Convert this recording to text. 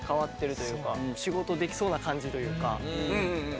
仕事できそうな感じというか。